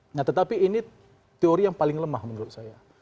nah tetapi ini teori yang paling lemah menurut saya